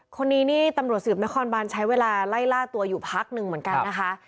คนนี้นี่ตำรวจสืบนครบานใช้เวลาไล่ล่าตัวอยู่พักหนึ่งเหมือนกันนะคะ